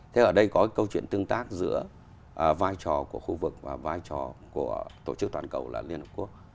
thế ở đây có câu chuyện tương tác giữa vai trò của khu vực và vai trò của tổ chức toàn cầu là liên hợp quốc